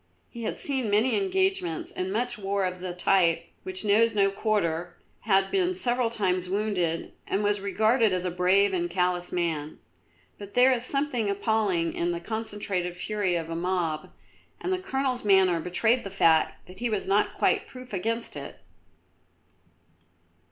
He had seen many engagements and much war of the type which knows no quarter, had been several times wounded, and was regarded as a brave and callous man. But there is something appalling in the concentrated fury of a mob, and the Colonel's manner betrayed the fact that he was not quite proof against it.